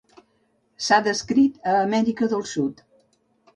S'ha descrit a Amèrica del Sud.